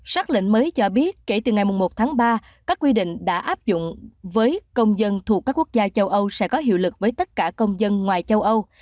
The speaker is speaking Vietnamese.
xác lệnh mới cho biết kể từ ngày một tháng ba các quy định đã áp dụng với công dân thuộc các quốc gia châu âu